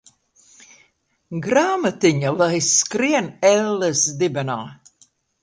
Grāmatiņa lai skrien elles dibenā.